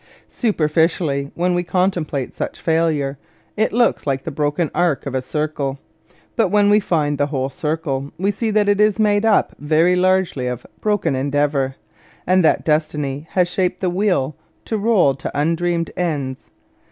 Superficially, when we contemplate such failure, it looks like the broken arc of a circle; but when we find the whole circle we see that it is made up very largely of broken endeavour, and that Destiny has shaped the wheel to roll to undreamed ends.